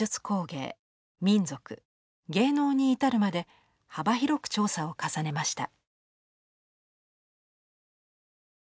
芸能に至るまで幅広く調査を重ねました。